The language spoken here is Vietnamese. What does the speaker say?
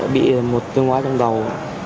bị một tiếng nói trong đầu